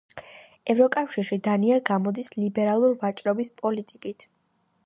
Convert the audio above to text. ევროკავშირში დანია გამოდის ლიბერალურ ვაჭრობის პოლიტიკით.